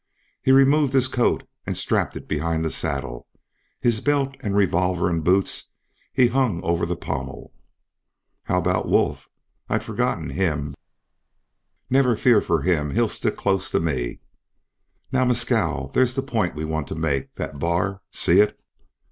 He removed his coat and strapped it behind the saddle; his belt and revolver and boots he hung over the pommel. "How about Wolf? I'd forgotten him." "Never fear for him! He'll stick close to me." "Now, Mescal, there's the point we want to make, that bar; see it?"